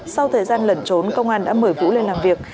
sau thời gian lẩn trốn công an đã mời vũ lên làm việc